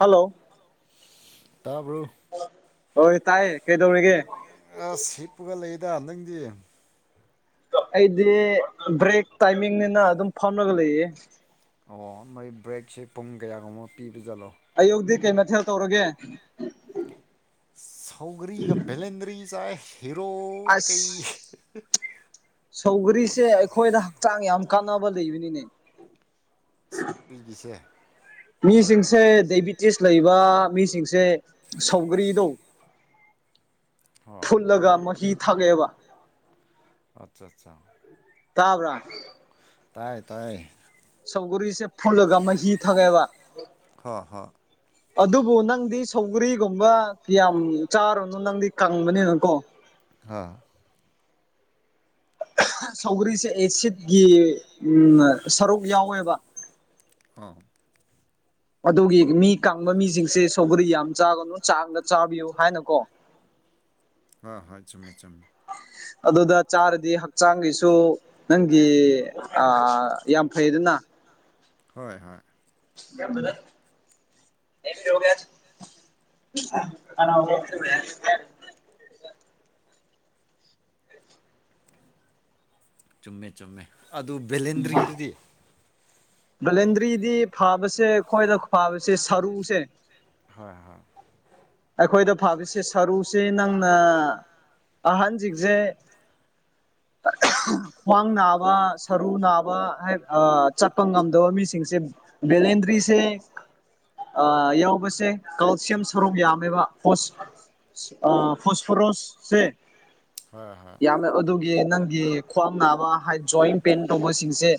Hello. ꯇꯥꯕꯔꯣ꯫ ꯍꯣꯏ ꯇꯥꯏ ꯀꯩꯗꯧꯔꯤꯒꯦ꯫ ꯀꯄꯒ ꯂꯩꯌꯦꯗ ꯅꯪꯗꯤ꯫ ꯑꯩꯗꯤ ꯕ꯭ꯔꯦꯛ ꯇꯥꯏꯃꯤꯡꯅꯤꯅ ꯑꯗꯨꯝ ꯐꯥꯝꯂꯒ ꯂꯩꯌꯦ꯫ ꯑꯣ ꯃꯣꯏ ꯕ꯭ꯔꯦꯛꯁꯦ ꯄꯨꯡ ꯀꯌꯥꯒꯨꯝꯕ ꯄꯤꯕ ꯖꯥꯠꯂꯣ꯫ ꯑꯌꯨꯛꯇꯤ ꯀꯩ ꯃꯊꯦꯜ ꯇꯧꯔꯒꯦ꯫ ꯁꯧꯒꯔꯤꯒ ꯕꯦꯂꯦꯟꯗ꯭ꯔꯤ ꯆꯥꯏꯦ ꯍꯔꯣ ꯀꯩ꯫ ꯁꯧꯒꯔꯤꯁꯦ ꯑꯩꯈꯣꯏꯗ ꯍꯛꯆꯥꯡ ꯌꯥꯝ ꯀꯥꯟꯅꯕ ꯂꯩꯕꯅꯤꯅꯦ꯫ ꯏꯒꯤꯁꯦ ꯃꯤꯁꯤꯡꯁꯦ ꯗꯥꯏꯕꯤꯇꯤꯁ ꯂꯩꯕ ꯃꯤꯁꯤꯡꯁꯦ ꯁꯧꯒ꯭ꯔꯤꯗꯣ [unintelligible] ꯐꯨꯜꯂꯒ ꯃꯍꯤ ꯊꯥꯛꯂꯛꯑꯦꯕ ꯑꯆꯥ ꯑꯠꯆꯥ ꯇꯥꯕ꯭ꯔꯥ ꯇꯥꯏ ꯇꯥꯏ ꯁꯣꯒꯔꯤꯁꯦ ꯐꯣꯟ ꯑꯃꯅ ꯍꯤ ꯊꯒꯥꯏꯕ ꯑꯗꯨꯕꯨ ꯅꯪꯗꯤ ꯁꯧꯒ꯭ꯔꯤ ꯀꯒꯨꯝꯕ ꯀꯌꯥꯝ ꯆꯥꯔꯨꯅꯨ ꯅꯪꯗꯤ ꯀꯪꯕꯅꯤꯅꯀꯣ ꯑ ꯁꯧꯒ꯭ꯔꯤꯁꯦ ꯑꯦꯁꯤꯠꯀꯤ ꯁꯔꯨꯛ ꯌꯥꯎꯋꯦꯕ ꯑ ꯑꯗꯨꯒꯤ ꯃꯤ ꯀꯪꯕ ꯃꯤꯁꯤꯡꯁꯦ ꯁꯣꯧꯕꯗꯤ ꯌꯥꯝ ꯆꯥꯒꯅꯨ ꯆꯥꯡꯗ ꯆꯥꯕꯤꯌꯨ ꯍꯥꯏꯅꯀꯣ [unintelligible] ꯍ ꯍꯣꯏ ꯆꯨꯝꯃꯦ ꯆꯨꯝꯃꯦ ꯑꯗꯨꯗ ꯆꯥꯔꯗꯤ ꯍꯛꯆꯥꯡꯒꯤꯁꯨ ꯅꯪꯒꯤ ꯌꯥꯝ ꯐꯩꯗꯅ ꯍꯣꯏ ꯍꯣꯏ ꯝꯕꯗ ꯒ ꯀꯅꯥ ꯆꯨꯝꯃꯦ ꯆꯨꯝꯃꯦ ꯑꯗꯨ ꯕꯦꯂꯦꯟꯗ꯭ꯔꯤꯗꯨꯗꯤ ꯕꯂꯦꯟꯗ꯭ꯔꯤꯗꯤ ꯐꯥꯕꯁꯦ ꯑꯩꯈꯣꯏꯗ ꯐꯥꯕꯁꯦ ꯁꯔꯨꯁꯦ ꯍꯣꯏ ꯍꯣꯏ ꯑꯩꯈꯣꯏꯗ ꯐꯥꯕꯤꯁꯦ ꯁꯔꯨꯁꯤ ꯅꯪꯅ ꯑꯍꯟꯁꯤꯡꯁꯦ [unintelligible] ꯈ꯭ꯋꯥꯡ ꯅꯥꯕ ꯁꯔꯨ ꯅꯥꯕ ꯆꯠꯄ ꯉꯝꯗꯕ ꯃꯤꯁꯤꯡꯁꯦ ꯕꯦꯂꯦꯟꯗ꯭ꯔꯤꯁꯦ ꯌꯥꯎꯕꯁꯦ ꯀꯜꯁꯤꯌꯝ ꯁꯣꯔꯣꯛ ꯌꯥꯝ ꯐꯣꯁ ꯐꯣꯔꯁꯁꯦ ꯌꯥꯝꯃꯦ ꯑꯗꯨꯒꯤ ꯅꯪꯒꯤ ꯈ꯭ꯋꯥꯡ ꯅꯥꯕ ꯍꯥꯏ ꯖꯣꯏꯤꯡ ꯄꯦꯟ ꯇꯧꯕꯁꯤꯡꯁꯦ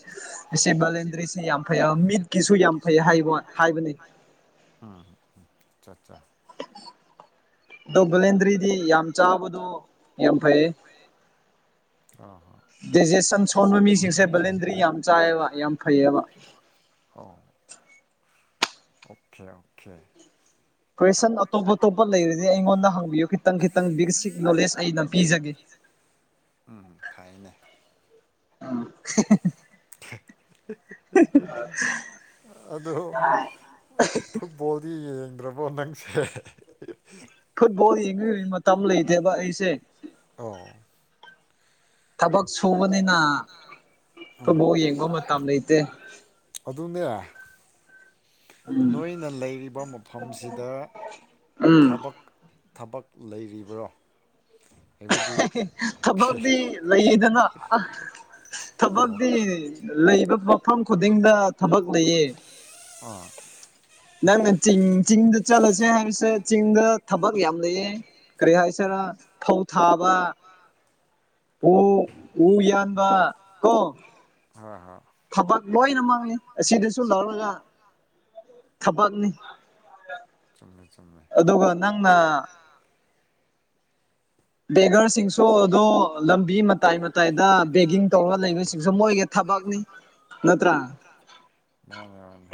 ꯏ ꯕꯂꯦꯟꯗ꯭ꯔꯤꯁꯤ ꯌꯥꯝ ꯐꯩ ꯃꯤꯠꯀꯤꯁꯨ ꯌꯥꯝ ꯐꯩ ꯍꯥꯏꯕ ꯋꯥ ꯍꯥꯏꯕꯅꯦ ꯑ ꯑꯆꯥ ꯑꯆꯥ ꯑꯗꯣ ꯒꯂꯦꯟꯗ꯭ꯔꯤꯗꯤ ꯌꯥꯝ ꯆꯥꯕꯗꯣ ꯌꯥꯝ ꯐꯩꯌꯦ ꯗꯦꯖꯦꯁꯟ ꯁꯣꯟꯕ ꯃꯤꯁꯤꯡꯁꯦ ꯕꯂꯦꯟꯗ꯭ꯔꯤ ꯌꯥꯝ ꯆꯥꯏꯑꯕ ꯌꯥꯝ ꯐꯩꯌꯦꯕ ꯑꯣ ꯑꯣꯀꯦ ꯑꯣꯀꯦ ꯀꯣꯏꯁꯟ ꯑꯇꯣꯞ ꯑꯇꯣꯞꯄ ꯂꯩꯔꯗꯤ ꯑꯩꯉꯣꯟꯗ ꯍꯪꯕꯤꯌꯨ ꯈꯤꯇꯪ ꯈꯤꯇꯪ ꯕꯤꯁꯤꯛ ꯅꯣꯂꯦꯖ ꯑꯩꯅ ꯄꯤꯖꯒꯦ [unintelligible] ꯎꯝ ꯐꯥꯏꯅꯦ ꯎ ꯎ ꯑꯗꯣ ꯐꯨꯠꯕꯣꯜꯗꯤ ꯌꯦꯡꯉ ꯭ꯔꯕꯣ ꯅꯪꯁꯦ ꯐꯨꯠꯕꯣꯜ ꯌꯦꯡꯉꯤꯉꯩ ꯃꯇꯝ ꯂꯩꯇꯦꯕ ꯑꯩꯁꯦ ꯑ ꯊꯕꯛ ꯁꯨꯕꯅꯤꯅ ꯣ ꯌꯦꯡꯒꯣ ꯃ ꯊ ꯑꯃ ꯂꯩꯇ ꯅꯣꯏꯅ ꯂꯩꯔꯤꯕ ꯃꯐꯝꯁꯤꯗ ꯊꯕꯛ ꯊꯕꯛ ꯂꯩꯔꯤꯕ꯭ꯔꯣ ꯊꯕꯛꯇꯤ ꯂꯩꯗꯅ ꯊꯕꯛꯇꯤ ꯂꯩꯕ ꯃꯐꯝ ꯈꯨꯗꯤꯡꯗ ꯊꯕꯛ ꯂꯩꯌꯦ ꯑ ꯅꯪꯅ ꯆ ꯆꯤꯡꯗ ꯆꯠꯂꯁꯦ ꯍꯥꯏꯕꯁꯦ ꯆꯤꯡꯗ ꯊꯕꯛ ꯌꯥꯝ ꯂꯩꯌꯦ ꯀꯔꯤ ꯍꯥꯏꯁꯤꯔꯥ ꯐꯧ ꯊꯥꯕ ꯎ ꯎ ꯌꯥꯟꯕ ꯀꯣ ꯊꯕꯛ ꯂꯣꯏꯅ ꯃꯥꯡꯉ ꯑꯁꯤꯗꯁꯨ ꯂꯧꯔꯒ ꯊꯕꯛꯅꯤ ꯑꯗꯨꯒ ꯅꯪꯅ ꯕꯦꯒꯔꯁꯤꯡꯁꯨ ꯑꯗꯣ ꯂꯝꯕꯤ ꯃꯇꯥꯏ ꯃꯇꯥꯏꯗ ꯕꯦꯒꯤꯡ ꯇꯧꯔꯒ ꯂꯩꯕꯁꯤꯡꯁꯨ ꯃꯣꯏꯒ ꯥꯅꯤ ꯅꯠꯇ꯭ꯔꯥ ꯃꯥꯅꯦ ꯃꯥꯅꯦ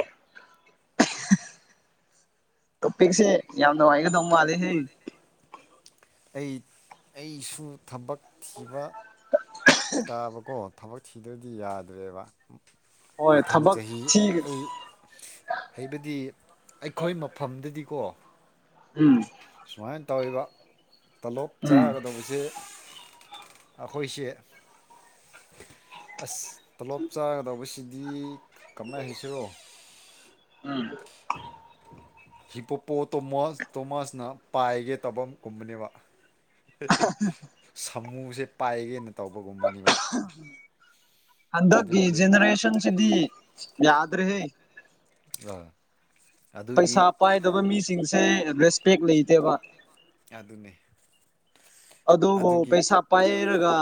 [inaudible] ꯇꯣꯄꯤꯛꯁꯦ ꯌꯥꯝ ꯅꯨꯡꯉꯥꯏꯒꯗꯧꯕ ꯃꯥꯜꯂꯤꯁ ꯑꯩꯁꯨ ꯊꯕꯛ ꯊꯤꯕ ꯇꯥꯕꯀꯣ ꯊꯕꯛ ꯊꯗ꯭ꯔꯗꯤ ꯌꯥꯗ꯭ꯔꯦꯕ ꯍꯣꯏ ꯊꯕꯛ ꯊ ꯍꯥꯏꯕꯗꯤ ꯑꯩꯈꯣꯏ ꯃꯐꯝꯗꯗꯤꯀꯣ ꯎꯝ ꯇꯧꯔꯤꯕ ꯇꯣꯂꯣꯞ ꯆꯥꯒꯗꯧꯕꯁ ꯑꯩꯈꯣꯏꯁꯤ ꯑꯁ ꯇꯣꯂꯣꯞ ꯆꯥꯒꯗꯧꯕꯁꯤꯗꯤ ꯀꯃꯥꯏꯅ ꯍꯩꯁꯤꯔꯣ ꯎꯝ ꯍꯤꯄꯣꯄꯣ ꯇꯣꯃꯣ ꯇꯣꯃꯥꯁꯅ ꯄꯥꯏꯒꯦ ꯇꯕ ꯀꯨꯝꯕꯅꯦꯕ ꯁꯥꯃꯨꯁꯦ ꯄꯥꯏꯒꯦꯅ ꯇꯧꯕꯒꯨꯝꯕꯅꯤꯕ ꯍꯗꯒ ꯖꯅꯔꯦꯁꯟꯁꯗꯤ ꯌꯥꯗ꯭ꯔꯦ ꯑ ꯄꯩꯁꯥ ꯄꯥꯏꯗꯕ ꯃꯤꯁꯤꯡꯁꯦ ꯑꯗꯨꯅꯦ ꯑꯗꯣꯕꯨ ꯄꯩꯁꯥ ꯄꯥꯏꯔꯒ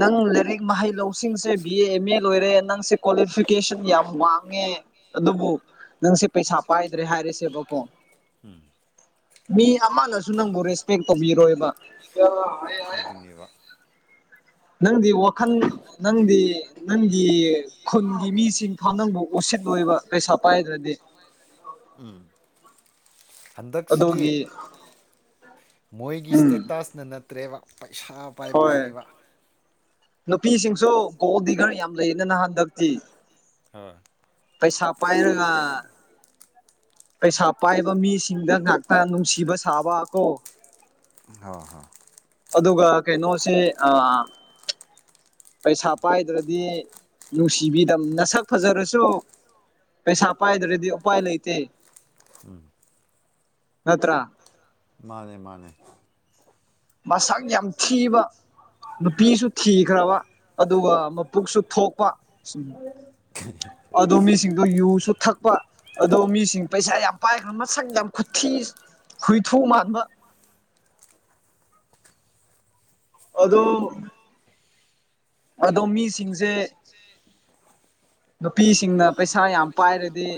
ꯅꯪ ꯂꯥꯏꯔꯤꯛ ꯃꯍꯩ ꯂꯧꯁꯤꯡꯁꯦ ꯕꯤ ꯑꯦ ꯑꯦꯝ ꯑꯦ ꯂꯣꯏꯔꯦ ꯅꯪꯁꯦ ꯀ꯭ꯋꯥꯂꯤꯐꯤꯀꯦꯁꯟ ꯌꯥꯝ ꯋꯥꯡꯉꯦ ꯑꯗꯨꯕꯨ ꯅꯪꯁꯦ ꯄꯩꯁꯥ ꯄꯥꯏꯗ꯭ꯔꯦ ꯍꯥꯏꯔꯤꯁꯦꯕꯀꯣ ꯃꯤ ꯑꯃꯅꯁꯨ ꯅꯪꯕꯨ ꯔꯦꯁꯄꯦꯛ ꯇꯧꯕꯤꯔꯣꯏꯕ ꯅꯪꯗꯤ ꯋꯥꯈꯜ ꯅꯪꯗꯤ ꯅꯪꯒꯤ ꯈꯨꯟꯒꯤ ꯃꯤꯁꯤꯡ ꯐꯥꯎ ꯅꯪꯕꯨ ꯎꯁꯤ ꯕ ꯄꯩꯁ ꯄ ꯍꯥꯏꯗ꯭ꯔꯗꯤ ꯎꯝ ꯍꯟꯗꯛꯁꯤꯗꯤ ꯃꯣꯏꯒꯤ ꯏꯁꯇꯦꯇꯥꯁꯅ ꯅꯠꯇ꯭ꯔꯦꯕ ꯄꯩꯁꯥ ꯄꯥꯏꯕꯗꯨꯅꯦꯕ ꯅꯨꯄꯤꯁꯤꯡꯁꯨ ꯒꯣꯜ ꯗꯤꯒꯔ ꯌꯥꯝ ꯂꯩꯌꯦꯅꯅ ꯍꯟꯗꯛꯇꯤ ꯑ ꯄꯩꯁꯥ ꯄꯥꯏꯔꯒ ꯄꯩꯁꯥ ꯄꯥꯏꯕ ꯃꯤꯁꯤꯡꯗ ꯉꯥꯛꯇ ꯅꯨꯡꯁꯤꯕ ꯁꯥꯕ ꯀꯣ ꯍ ꯍꯣꯏ ꯑꯗꯨꯒ ꯀꯩꯅꯣꯁꯦ ꯄꯩꯁꯥ ꯄꯥꯏꯗ꯭ꯔꯗꯤ ꯅꯨꯡꯁꯤꯕꯤꯗ ꯅꯁꯛ ꯐꯖꯔꯁꯨ ꯄꯩꯁꯥ ꯄꯥꯏꯗꯧꯔꯗꯤ ꯎꯥꯏ ꯂꯩꯇ ꯎꯝ ꯅꯠꯇ꯭ꯔꯥ ꯃꯥꯅꯦ ꯃꯥꯅꯦ ꯃꯁꯛ ꯌꯥꯝ ꯊꯤꯕ ꯅꯨꯄꯤꯁꯨ ꯊꯤꯈ꯭ꯔꯕ ꯑꯗꯨꯒ ꯃꯄꯨꯛꯁꯨ ꯊꯣꯛꯄ ꯑꯗꯨꯣ ꯃꯤꯁꯤꯡꯗꯣ ꯌꯨꯁꯨ ꯊꯛꯄ ꯑꯗꯣ ꯃꯤꯁꯤꯡ ꯄꯩꯁꯥ ꯌꯥꯝ ꯄꯥꯏꯈ꯭ꯔ ꯃꯁꯪ ꯌꯥꯝ ꯈꯨꯊꯤ ꯍꯨꯏꯊꯨ ꯃꯥꯟꯕ [inaudible] ꯑꯗꯣ ꯑꯗꯣ ꯃꯤꯁꯤꯡꯁꯦ ꯅꯨꯄꯤꯁꯤꯡꯅ ꯄꯩꯁꯥ ꯌꯥꯝ ꯄꯥꯏꯔꯗꯤ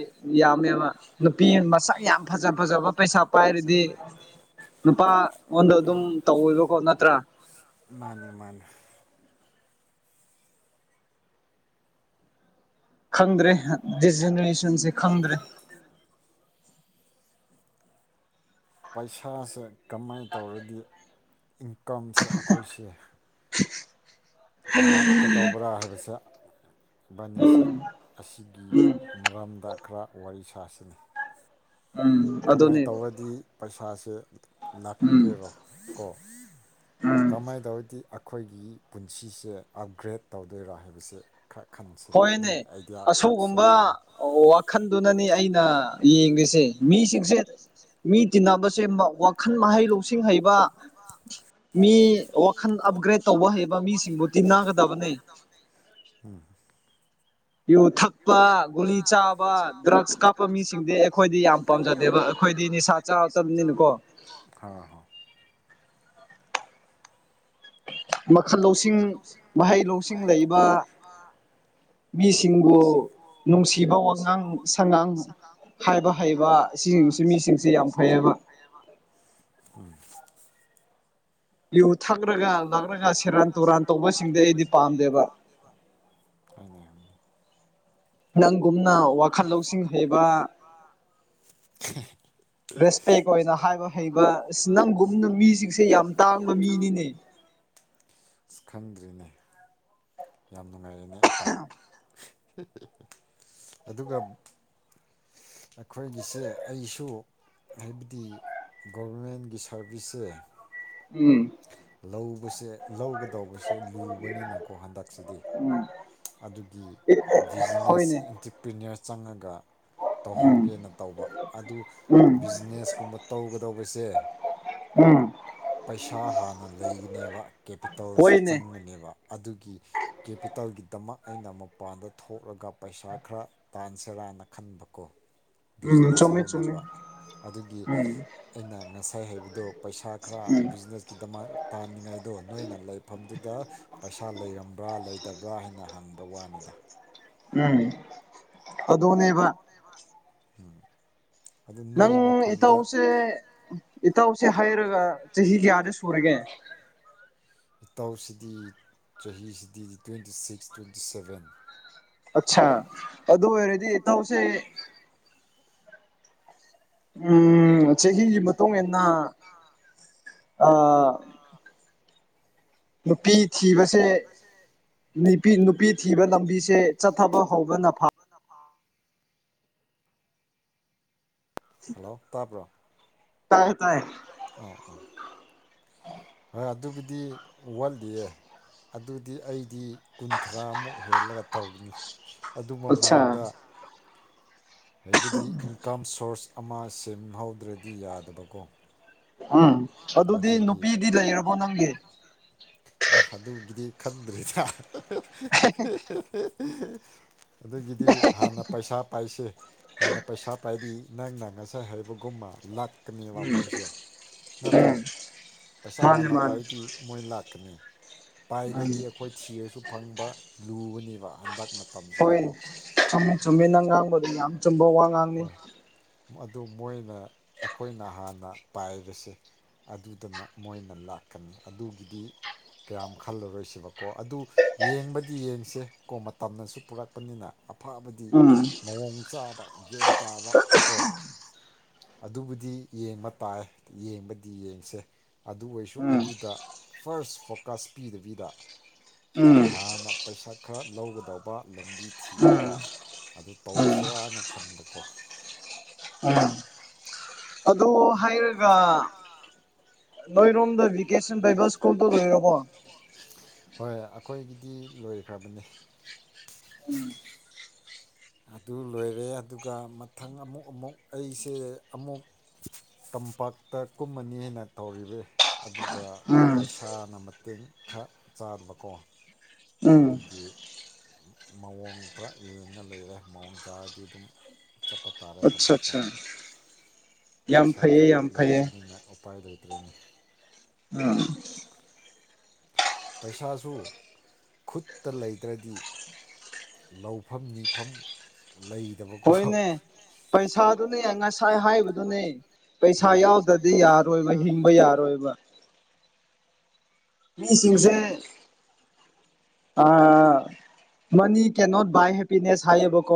ꯌꯥꯝꯃꯦꯕ ꯅꯨꯄꯤ ꯃꯁꯛ ꯌꯥꯝ ꯐꯖ ꯐꯖ ꯄꯩꯁꯥ ꯄꯥꯏꯔꯗꯤ ꯅꯨꯄꯥꯉꯣꯟꯗ ꯑꯗꯨꯝ ꯇꯧꯕꯀꯣ ꯅꯠꯇ꯭ꯔꯥ ꯃꯥꯅꯦ ꯃꯥꯅꯦ ꯈꯪꯗ꯭ꯔꯦ ꯗꯤꯁ ꯖꯤꯅꯦꯔꯦꯁꯟꯁꯦ ꯈꯪꯗ꯭ꯔꯦ ꯄꯩꯁꯥꯁꯦ ꯀꯃꯥꯏꯅ ꯇꯧꯔꯗꯤ ꯏꯟꯀꯝꯁꯦ ꯑꯩꯈꯣꯏꯁꯦ ꯂꯥꯛꯀ ꯗꯕ꯭ꯔꯥ ꯍꯥꯏꯕꯁꯦ ꯏꯕꯥꯅꯤꯁꯤ ꯑꯁꯤꯒꯤ ꯃꯔꯝꯗ ꯈꯔ ꯋꯥꯔꯤ ꯁꯥꯁꯤꯅꯤ ꯀꯃꯥꯏꯅ ꯇꯧꯔꯗꯤ ꯄꯩꯁꯥꯁꯦ ꯂꯥꯛꯊꯣꯏꯔꯣ ꯀꯣ ꯀꯃꯥꯏ ꯇꯧꯗꯤ ꯑꯩꯈꯣꯏꯒꯤ ꯄꯨꯟꯁꯤꯁꯦ ꯑꯞꯒ꯭ꯔꯦꯗ ꯇꯧꯗꯣꯏꯔꯥ ꯍꯥꯏꯕꯁꯦ ꯈ ꯍꯣꯏꯅꯦ ꯑꯁꯤꯒꯨꯝꯕ ꯋꯥꯈꯜꯗꯨꯅꯅꯤ ꯑꯩꯅ ꯑ ꯏꯪꯂꯤꯁꯦ ꯃꯤ ꯁꯤꯁꯦ ꯃꯤ ꯇꯤꯟꯅꯕꯁꯦ ꯋꯥꯈꯜ ꯃꯍꯩ ꯂꯧꯁꯤꯡ ꯍꯩꯕ ꯃꯤ ꯋꯥꯈꯜ ꯑꯞꯒ꯭ꯔꯦꯗ ꯇꯧꯕ ꯍꯩꯕ ꯃꯤꯁꯤꯡꯕꯨ ꯇꯤꯟꯅꯒꯗꯕꯅꯦ ꯌꯨ ꯊꯛꯄ ꯒꯨꯂꯤ ꯆꯥꯕ ꯗ꯭ꯔꯛꯁ ꯀꯥꯞꯄ ꯃꯤꯁꯤꯡꯗꯤ ꯑꯩꯈꯣꯏꯗꯤ ꯌꯥꯝ ꯄꯥꯝꯖꯗꯦꯕ ꯑꯩꯈꯣꯏꯗꯤ ꯅꯤꯁꯥ ꯆꯥꯔꯕꯅꯤꯅꯀꯣ ꯃꯈꯜ ꯂꯧꯁꯤꯡ ꯃꯍꯩ ꯂꯧꯁꯤꯡ ꯂꯩꯕ ꯃꯤꯁꯤꯡꯕꯨ ꯅꯨꯡꯁꯤꯕ ꯋꯥꯉꯥꯡ ꯁꯉꯥꯡ ꯍꯥꯏꯕ ꯍꯩꯕ ꯁꯤꯁꯤꯡꯁꯤ ꯃꯤꯁꯤꯡꯁꯦ ꯌꯥꯝ ꯐꯩꯑꯕ ꯎꯝ ꯌꯨ ꯊꯛ꯭ꯔꯒ ꯂꯥꯛꯂꯒ ꯁꯦꯔꯥꯟ ꯇꯨꯔꯥꯟ ꯇꯧꯕꯁꯤꯡꯗꯤ ꯑꯩꯗꯤ ꯄꯥꯝꯗꯦꯕ [inaudible] ꯅꯪꯒꯨꯝꯅ ꯋꯥꯈꯜ ꯂꯧꯁꯤꯡ ꯍꯩꯕ [inaudible] ꯔꯦꯁꯄꯦꯛ ꯑꯣꯏꯅ ꯍꯥꯏꯕ ꯍꯩꯕ ꯑ ꯅꯪꯒꯨꯝꯅ ꯃꯤꯁꯤꯡꯁꯦ ꯌꯥꯝ ꯇꯥꯡꯕ ꯃꯤꯅꯤꯅꯦ [inaudible] ꯈꯪꯗ꯭ꯔꯤꯅꯦ ꯌꯥꯝ ꯅꯨꯡꯉꯥꯏꯔꯦꯅꯦ ꯏꯇꯥꯎ ꯑꯗꯨꯒ ꯑꯩꯈꯣꯏꯒꯤꯁꯦ ꯑꯩꯁꯨ ꯍꯥꯏꯕꯗꯤ ꯒꯣꯔꯚꯔꯃꯦꯟꯒꯤ ꯁꯥꯔꯚꯤꯁꯁꯦ ꯎꯝ ꯂꯧꯕꯁꯦ ꯂꯧꯒꯗꯧꯕꯁꯦ ꯂꯨꯕꯅꯤꯅꯀꯣ ꯍꯟꯗꯛꯁꯤꯗꯤ ꯑꯗꯨꯒꯤ ꯕꯤꯖꯤꯅꯦꯁ ꯑꯦꯟꯇꯔꯄ꯭ꯔꯤꯅꯔ ꯆꯪꯉꯒ ꯇꯧꯍꯧꯒꯦꯅ ꯇꯧꯕ ꯑꯗꯨ ꯕꯤꯖꯤꯅꯦꯁꯀꯨꯝꯕ ꯇꯧꯒꯗꯧꯕꯁꯦ ꯎꯝ ꯄꯩꯁꯥ ꯍꯥꯟꯅ ꯂꯩꯒꯅꯦꯕ ꯇꯜꯁꯦ ꯆꯪꯕꯅꯦꯕ ꯑꯗꯨꯒꯤ ꯀꯦꯄꯤꯇꯥꯦꯜꯒꯤ ꯗꯃꯛ ꯑꯩꯅ ꯃꯄꯥꯟꯗ ꯊꯣꯛꯂꯒ ꯄꯩꯁꯥ ꯈꯔ ꯇꯥꯟꯁꯤꯔꯥꯅ ꯈꯟꯕꯀꯣ ꯕꯤꯖꯤꯅꯦꯁ ꯍꯧꯅꯕ ꯑꯗꯨꯒꯤ ꯑꯩꯅ ꯉꯁꯥꯏ ꯍꯥꯏꯕꯗꯣ ꯄꯩꯁꯥ ꯈꯔ ꯕꯤꯖꯤꯅꯦꯁꯀꯤꯗꯃꯛ ꯇꯥꯅꯤꯡꯉꯥꯏꯗꯣ ꯅꯣꯏꯅ ꯂꯩꯐꯝꯗꯨꯗ ꯄꯩꯁꯥ ꯂꯩꯔꯝꯕ꯭ꯔꯥ ꯂꯩꯇꯕ꯭ꯔꯥ ꯍꯥꯏꯅ ꯍꯪꯕ ꯋꯥꯅꯤꯗ ꯎꯝ ꯑꯗꯨꯅꯕ ꯎꯝ ꯅꯪ ꯏꯇꯥꯎꯁꯦ ꯏꯇꯥꯎꯁꯦ ꯍꯥꯏꯔꯒ ꯆꯍꯤ ꯀꯌꯥꯗ ꯁꯨꯔꯒꯦ [inaudible] ꯏꯇꯥꯎꯁꯤꯗꯤ ꯆꯍꯤꯁꯤꯗꯤꯗꯤ ꯇ꯭ꯋꯦꯟꯇꯤ ꯁꯤꯛꯁ ꯇ꯭ꯋꯦꯟꯇꯤ ꯁꯚꯦꯟ ꯑꯆꯥ ꯑ ꯑꯗꯨ ꯑꯣꯏꯔꯗꯤ ꯏꯇꯥꯎꯁꯦ ꯎꯝ ꯆꯍꯤꯒꯤ ꯃꯇꯨꯡ ꯏꯟꯅ ꯑꯥ ꯅꯨꯄꯤ ꯊꯤꯕꯁꯦ ꯄꯤ ꯅꯨꯄꯤ ꯊꯤꯕ ꯂꯝꯕꯤꯁꯦ ꯆꯠꯊꯕ ꯍꯧꯕꯅ ꯐ ꯍꯜꯂꯣ ꯇꯥꯄ꯭ꯔꯣ ꯑ ꯍꯣꯏ ꯑꯗꯨꯕꯨꯗꯤ ꯋꯥꯂꯤꯌꯦ ꯑꯗꯨꯗꯤ ꯑꯩꯗꯤ ꯀꯨꯟꯊ꯭ꯔꯥꯃꯨꯛ ꯍꯦꯜꯂꯒ ꯇꯧꯒꯅꯤ ꯑꯗꯨ ꯃꯃꯥꯡꯗ ꯍꯥꯏꯕꯗꯤ ꯏꯟꯀꯝ ꯁꯣꯔꯁ ꯑꯃ ꯁꯦꯝꯍꯧꯗ꯭ꯔꯗꯤ ꯌꯥꯗꯕꯀꯣ ꯎꯝ ꯑꯗꯨꯗꯤ ꯅꯨꯄꯤꯗꯤ ꯂꯩꯔꯕꯣ ꯅꯪꯒꯤ ꯈꯟꯗ꯭ꯔꯤ ꯆ ꯑꯗꯨꯒꯤꯗꯤ ꯍꯥꯟꯅ ꯄꯩꯁꯥ ꯄꯥꯏꯁꯦ ꯍꯥꯟꯅ ꯄꯩꯁꯥ ꯄꯥꯏꯗꯤ ꯅꯪ ꯅꯪꯉꯁꯤ ꯁꯩ ꯍꯩꯕꯒꯨꯝꯕ ꯂꯥꯛꯀꯅꯦꯕ ꯃꯣꯏꯁꯦ ꯅꯠꯇ꯭ꯔꯣ ꯄꯩꯁꯥ ꯍꯥꯟꯅ ꯄꯥꯏꯗꯤ ꯃꯣꯏ ꯂꯥꯛꯀꯅꯤ ꯄꯥꯏꯔꯗꯤ ꯑꯩꯈꯣꯏ ꯊꯤꯔꯁꯨ ꯐꯪꯕ ꯂꯨꯕꯅꯦꯕ ꯍꯟꯗꯛ ꯍꯣꯏ ꯆꯨꯝꯃꯤ ꯆꯨꯝꯃꯤꯟꯅꯪ ꯉꯥꯡꯕꯗꯨ ꯌꯥꯝ ꯆꯨꯝꯕ ꯋꯥ ꯉꯥꯡꯅꯤ ꯑꯗꯨ ꯃꯣꯏꯅ ꯑꯩꯈꯣꯏꯅ ꯍꯥꯟꯅ ꯄꯥꯏꯕꯁꯦ ꯑꯗꯨꯗꯅ ꯃꯣꯏꯅ ꯂꯥꯛꯀꯅꯤ ꯑꯗꯨꯒꯤꯗꯤ ꯀꯌꯥꯝ ꯈꯜꯂꯔꯣꯏꯁꯤꯕꯀꯣ ꯑꯗꯨ ꯌꯦꯡꯕꯗꯤ ꯌꯦꯡꯁꯦ ꯀꯣ ꯃꯇꯝꯅꯁꯨ ꯄꯨꯔꯛꯄꯅꯤꯅ ꯑꯐꯕꯗꯤ ꯃꯑꯣꯡ ꯆꯥꯕ ꯒꯟ ꯇꯥꯕ ꯀꯣ ꯑꯗꯨꯕꯨꯗꯤ ꯌꯦꯡꯕ ꯇꯥꯏ ꯌꯦꯡꯕ ꯗꯤ ꯌꯦꯡꯁꯦ ꯑꯗꯨ ꯑꯣꯏꯔꯁꯨ ꯑꯗꯨꯗ ꯐꯥꯔꯁ ꯐꯣꯀꯁ ꯄꯤꯗꯕꯤꯗ ꯍꯥꯟꯅ ꯄꯩꯁꯥ ꯈꯔ ꯂꯧꯒꯗꯧꯕ ꯂꯝꯕꯤ ꯊꯤꯔꯒ ꯑꯗꯨ ꯇꯧꯁꯤꯔꯥꯅ ꯈꯟꯕꯀꯣ ꯎ ꯑꯗꯣ ꯍꯥꯏꯔꯒ ꯅꯣꯏꯔꯣꯝꯗ ꯚꯦꯀꯦꯁꯟ ꯄꯕ ꯁꯀꯨꯜ ꯇ ꯂꯣꯏꯔꯕꯕꯣ ꯑꯩꯈꯣꯏꯒꯤꯗꯤ ꯂꯣꯏꯈ꯭ꯔꯕꯅꯤ ꯎꯝ ꯑꯗꯨ ꯂꯣꯏꯔꯦ ꯑꯗꯨꯒ ꯃꯊꯪ ꯑꯃꯨꯛ ꯑꯃꯨꯛ ꯑꯩꯁꯦ ꯑꯃꯨꯛ ꯇꯝꯄꯥꯛꯇ ꯀꯨꯝꯃꯅꯤ ꯍꯥꯏꯅ ꯇꯧꯔꯤꯕ ꯑꯗꯨꯒ ꯄꯩꯁꯥꯅ ꯃꯇꯦꯡ ꯈꯔ ꯆꯥꯗꯕꯀꯣ ꯑꯗꯨꯗꯒꯤ ꯃꯑꯣꯡ ꯈꯔ ꯌꯦꯡꯉ ꯂꯩꯔꯦ ꯃꯑꯣꯡ ꯆꯥꯔꯗꯤ ꯑꯗꯨꯝ ꯆꯠꯄ ꯇꯥꯔꯦ ꯇꯝꯄꯥꯛꯇ ꯄꯩꯁꯥꯁꯨ ꯂꯩꯇꯕꯅꯤꯅ ꯎꯄꯥꯏ ꯂꯩꯇ ꯠꯇ꯭ꯔꯦꯅꯤ ꯑꯥ ꯄꯩꯁꯥꯁꯨ ꯈꯨꯠꯇ ꯂꯩꯗ꯭ꯔꯗꯤ ꯂꯧꯐꯝ ꯅꯤꯐꯝ ꯂꯩꯗꯕꯀꯣ ꯄꯩꯁꯥꯗꯨꯅꯦ ꯉꯁꯥꯏ ꯍꯥꯏꯕꯗꯨꯅꯦ ꯄꯩꯁꯥ ꯌꯥꯎꯗ꯭ꯔꯗꯤ ꯌꯥꯔꯣꯏꯕ ꯍꯤꯡꯕ ꯌꯥꯔꯣꯏꯕ ꯃꯤꯁꯤꯡꯁꯦ ꯑ ꯃꯅꯤ ꯀꯦ ꯅꯣꯠ ꯕꯥꯏ ꯍꯦꯄꯤꯅꯦꯁ ꯍꯥꯏꯌꯦꯕꯀꯣ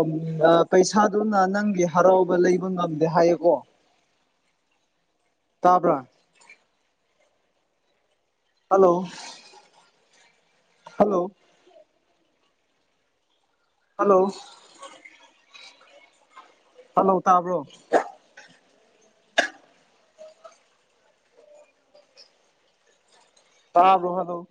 ꯄꯩꯁꯥꯗꯨꯅ ꯅꯪꯒꯤ ꯍꯔꯥꯎꯕ ꯂꯩꯕ ꯉꯝꯗꯦ ꯍꯥꯏꯌꯦꯀꯣ ꯇꯥꯕ꯭ꯔꯥ ꯍꯜꯂꯣ ꯍꯜꯂꯣ ꯍꯜꯂꯣ ꯍꯂꯧ ꯇꯥꯕ꯭ꯔꯣ ꯇꯥꯕꯣꯍꯗꯣ